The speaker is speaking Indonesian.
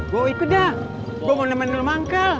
gue ikut dah gue mau nemenin lu manggal